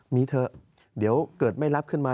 มีเถอะเดี๋ยวเกิดไม่รับขึ้นมา